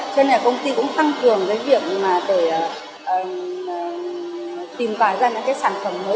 cho nên là công ty cũng tăng cường cái việc mà để tìm tòi ra những cái sản phẩm mới